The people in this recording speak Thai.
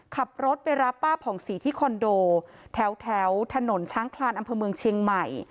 ขับรถไปรับป้าผ่องศรีที่คอนโดแถวถนนช้างคลานอำเภอเมืองเชียงใหม่